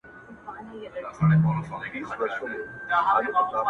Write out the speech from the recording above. په لېمو کي راته وایي زما پوښتلي جوابونه-